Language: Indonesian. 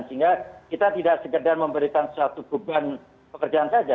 sehingga kita tidak sekedar memberikan satu guban pekerjaan saja